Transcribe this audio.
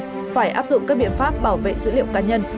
phải áp dụng các biện pháp bảo vệ dữ liệu cá nhân